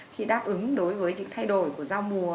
khi đáp ứng đối với những thay đổi của giao mùa